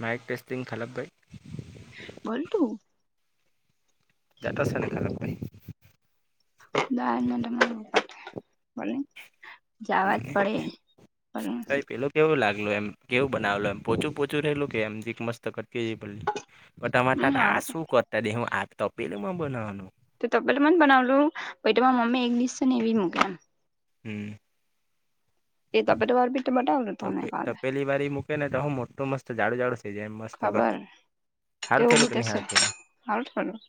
Mike testing ખલાપભાઈ બોલ ટું [unintelligible] [unintelligible] બોલની જાવા જ મને પડે બોલની તો પેલું કેવું લાગલુ એમ કેવું બનાવેલુ એમ પોચું પોચું રહેેલું કે એમીક મસ્ત કટકી જેવી પલી પ તમારે હમ તા ત હારું આસું કરતા દે હું આ તપેલુંમા બનાવવાનું તો તપેલી માજ બનાવલુ પહી ત માર મમ્મી એક ડીશ છે ને એવી મૂક એમ હમ. એ તપેલી વારુ બીટ બટાવલુ તને તપે કાલે [inaudible] તો હૂ મોટુ મસ્ત જાડુ જાડુ થય જાય મસ્ત ગત ખબર હારુ તેવું થેલુ બી કે ની થશે હારુ થેલુ હારું થયેલું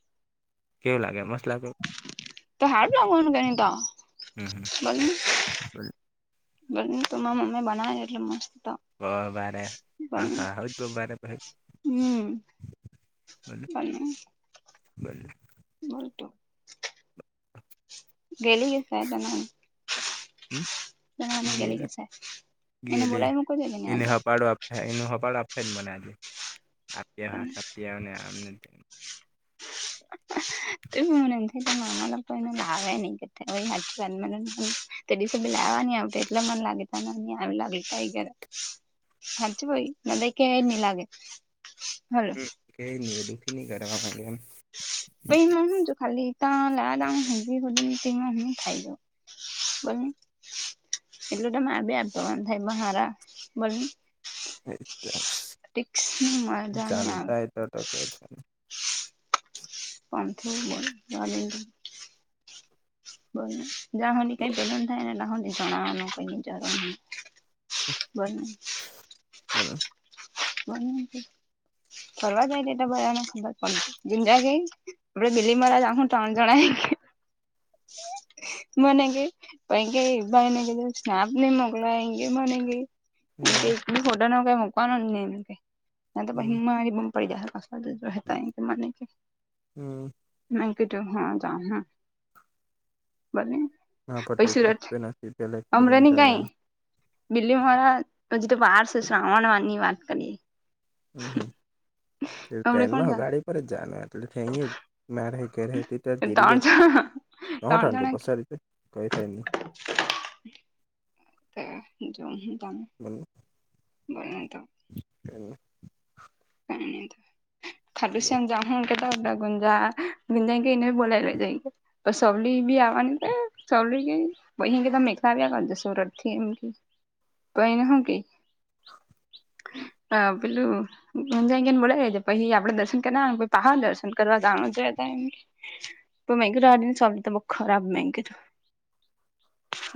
કેવું લાગે મસ લાગે તો હારું લાગવાનું કે ની તો હમ હમ [inaudible] બોલ ની ત મા મ્મમી બનાવે એટલુ મસ્ત વારે હા પણ હા હ વારે હમ [unintelligible] બને બોલતું ગેલી કે સાહેતને હમ ગે ગેલી કે સે એને ગેલી બોલાવી મૂકવા જોઈએ ને એને આજે હા પાડવા હ એનું હપાળુ આપહે બોલ જ મને [unintelligible] [inaudible] એ મને [inaudible] તે ડીસે બી લેવાની આવટે એટલે મન લાગે તાન [unintelligible] હાચુ ભાઈ નાદય કેહે ની લાગે હલો હ કેય ની એ દુઃખી ની કરવા માંગે એમ પહી હુ જ ખાલી તા લેવા [inaudible] [inaudible] એટલું તોરે બ આપવાનું થાયારા બ એ ની મજા ની આવે જાતા એ તો તો ક છે [unintelligible] જા હોલી કઈ પલન થાય ને ના હોને જણાાવનું કઈ જર ન બ બોલ. [unintelligible] ફરવા જાય ટેટ બધાને ખબર [unintelligible] આપડે બીલીમોરા જાહુ તણ જણા મને કેઈ એમ કેય ભાઈને કેજે સ્નેપ ની મોકલે એમ કે મને કેય એમ હમ કેય ફોટો મુકવાનો ની એમ કેય ને ત હમ પહી મારી બુમ જાહે રહેતા કે મને કે હમ મે કીધુ જો હ હ બને હ પ પહી સુરત એકૃપ નથી પ લખિડ જના બિલ્લી મારા હજી તો બાર છે શ્રાવણ વાર ની વાત કરીએ હમ હમ હમડે કોણ ટ્રેનમાં હો જાહે ગાડી પર જ જનું હો તો જ ના રહે કે તેટ્યારે ધરિક ત્રણ જણા ઘઉ ત્રણ થા થ જણા બસડ તો કઈ થાય નહી તે જો તનું [unintelligible] બમ [unintelligible] બને તો. એ. ખાટુ શ્યામ હ કેતાડા ગુંજા બજ એને બોલા લ જ તો સવલી ભી આવવાની ચવલી કે તો અહી કે ત મેલા આવ્યા કર સુરત થી એમ કે તો અને શું કે હા પેલું હુંજને બોલા રઈ છે પછ આપણે દર્શન ના પહાર દર્શ કરવા જણું છેમ તો મગ રાડી નને સતા બ ખરાબ મગ તો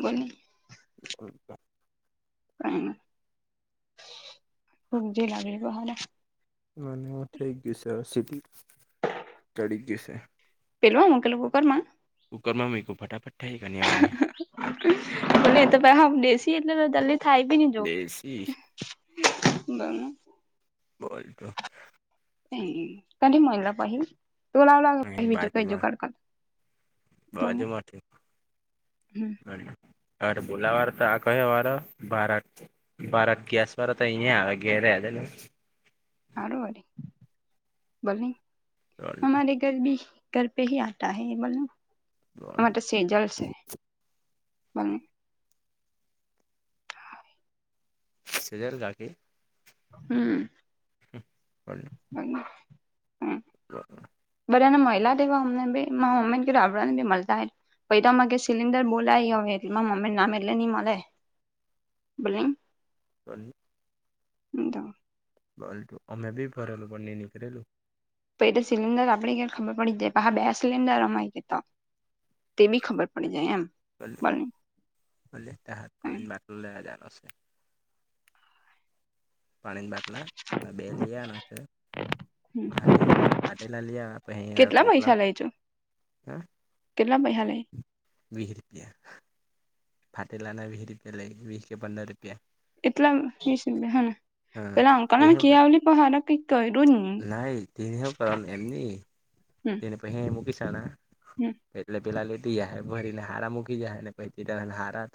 બો હકે ક [unintelligible] ખૂબ જી લાગે બ હા ના [unintelligible] અને થઇ ગયું છે સીધ ચડી ગયું છે પેલવા મકેલું કુકર માં. કુકરમાં મરી ખ ફટાફાટ થાય ગની મણેને. એ તો પ હ દસી એટલે જલ્દી થાય ભી નઈ જો દેશી બંધ. બય તો. હમ કઢી મળિલા પહી તું લવ લ બીજું કજુ બાજુમાં કડકત. બાજુમાંથી. અરે ભોલા વાર તો ક વાળ બારત. બારત ગેસ વા તો અહીયા આવે ગે રહેજે. સાર વારી ભોલે અમારે. ઘર ભી ઘર પે હ આતા હ મતલબ. બર. સેજલ છે બ સજલ ગાખી. હમ. હલ. હ હમ. હા. બર ને મહિલા હતાવા અમને બી મમ્મને રબડ ને બી મળતા. પે તોમાં સિલિન્ડર બોલાય હવે એટલેમાં મમ્મ નામ એટલે નઈ મળે. બોલો. પન હમ તો બલ્ટું અમે બી ભરેલું બને નીકળલું. પછ તો સિલિન્ડર આપે ક ખબર પડી જાય હા બે સિલિન્ડર અમાય ગ તો. તે બી ખબર પડી જાય એમ. બ બોલની બટ હત હમ્મ પાણી બાટલો લજનુંશે. પાણીન બાટલા ન બેલી આન તે- લઈ આવ્યા પછી કેટલા ટોટલા પૈસા લેજો. કેટલા પૈહા લઈ. વહી રૂપિયા. ફાતે લાના વીહ રૂપિયા લઈ વીસ કે પંદર રૂપિયા. એટલા હ વિસ રૂપિયા હમ હા પેલા અંકલ તે મેં કિયાવલી પણ હારા કઈક કર્યું જ ન. તેને હું કરવા એમ ની હમ્મ તેને પહી મૂકી શના એટલે પેલા લેટી જાયહે ભરીને હારા મૂકી જાય ને પ હારા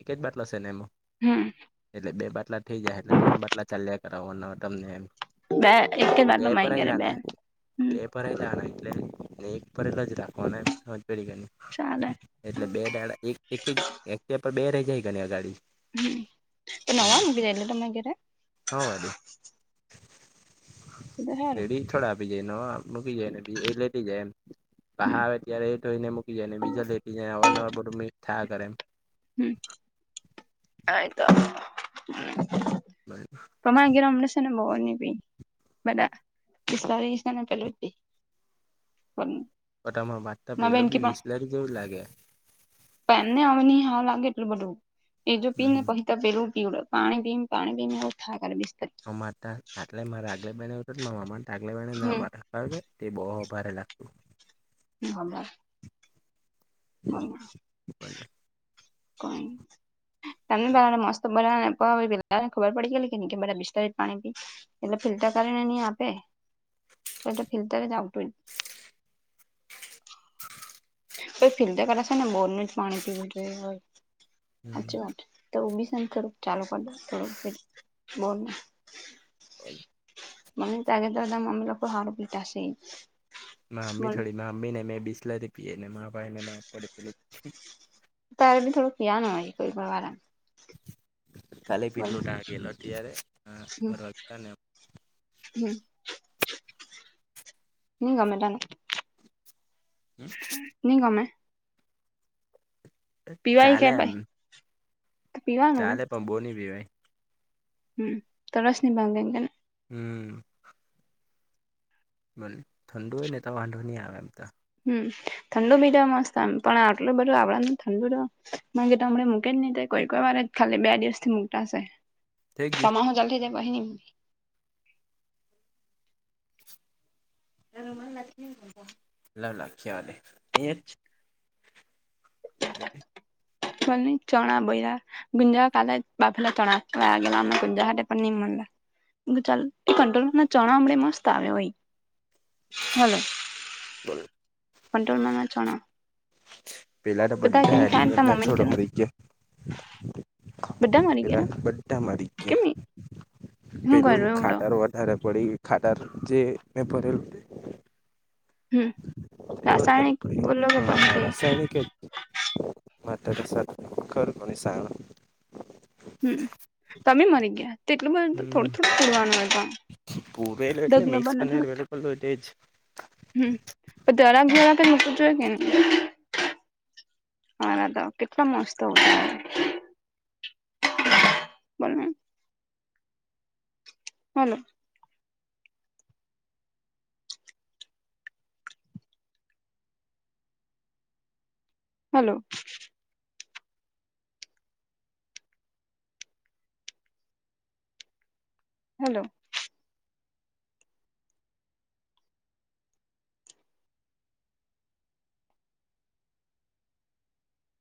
એક જ બાટલોશે ને એમાં. હમ. એટલે બે બાટલા થઈ જાય એટલે ત્રણ બાટલા ચાલ્યા કરાવવાના તમનેમ. બે એક જ બાટલો માય ગેરે બેન હમ. પર એ લ જાણા એટલે નને એક પર લ જ દખવાના પેડગની. ચાલે. એટલે બે દાડા એક એક એક બે રહી જાય ગ અગાડી. હ તો એમ નવા મગી જલ તો માગરે. હ વાડી એ તો સારું રેડી થોડ આપી જાય નવા મૂકી જાય ને બી એ લેટી જાય એમ. પહા હમ આવે ત્યારે એ તોઈને મૂકી જાય ને બીજા લેટી જાય અવારનવાર બધું મી થયા કરે એમ. હમ. આયતો [unintelligible] પમાંગેરે હમને છે ને મોહર ને પી બધા વિસ્તારી છે ને પેલું જી પન્ન બધામાં વાતતા પેલો બી વિસલેરી જેવું લાગે. પેનને આવે નહી હા લાગે એટલું બધું એ જો પી ને હમ પહી તો પેલું પીવડ પાણી પીન પાણી પીન એવું થાય કરે બિસ્તરી મા આટલે મારે આગલે બેહેનેત મામા તો આગલે બહેને ના હમ ભરા પાવલે તે બહુ ભારે લાગતું. ની ખબર. બહુ. [unintelligible] કોઈન તમને પલાને મસ્ત બલાને ખબર પડી ગેલી કે નઈ કે બધા બિસ્લરી પાણી પી એટલે ફિલ્ટર કરીને નહી આપે તો એટલે ફિલ્ટર જ આવતું. તોય ફીલતે કર છે ને બોરનું જ પાણી પીવું જોઈએ હોય સાચી વાત. તો ઓબીસન થોડુ ચાલુ કરતા થોડુ બોરનું. હોય. મને તારે તો તો અમે લોકો હારું પીતા હશે. મા અમ્મી થોડી મા અમી ને મેં બિસલરી પીએ ને મા ભાઈ ને માપ પડે પેલું તારે થોડું કયા નઈ હોય કોઈ પણ વાળા કાલે પીટલો ટાગે લો અત્યારે ફરવા તા ને હમ્મ ની ગમે તને. હમ્મ. ની ગમે. પીવાય કે ચાલે ભાઈ એમ. તો પીવાનું ચાલે પણ બોની પીવાય. હમ્મ તરસ નિ ભાંગે એમ. હમ્મ. ભલે ઠંડોને ત તો વાંધો ની આ આવેે એમ તો હમ્મ ઠંડુ બીજા મસ્તમ પણ આટલું બધું આપડા ઠંડુ તો હમે મૂકે જ નહિ કો ખાલી બે દિવથી મુકતા હશે થઈ ગયું તમહો જલથી જ પહી અ લખ્યા હલે અહિયા જ પણ ચણા ભૈરા ગુંજકાલ બાફીલા તણકલા ગે ગુંજાટ પણ ની મલે ચાલ એ કંટ ના ચણા અમડે મસ્ત આવ્યો હોય હલો જ કંટ્રોલનોણા ચણા પેલા તો કે બધા ની ખાય હડીને તાર ના મમ્મીને છોડ કે મળી ગયા. બધા મરી પેલા ગયા બા મારી કેમ ગયા હું કરું પેલું એવું તો ખાટાર વધારે પડી. ખાટાર જે ફ્લેરું હમ રાસાયણિક બોલો કે બંધ તને કેે માતા સા મુખર અને સારા હમ્મ તમે મરી ગયા તેટલું બન હમ થોડું થોડું પડવાનું પૂરેલું એટલે દગલ મિક્સ બને કરીને થોડ અવેલેબલ હોય તે જ હમ્મ દરા જરા કઈ મૂકવું જોએ કે ન હા કેટલા મસ્ત હોય બને હલો હલો હલો.